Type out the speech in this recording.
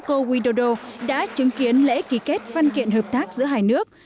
owi dodo đã chứng kiến lễ ký kết văn kiện hợp tác giữa hai nước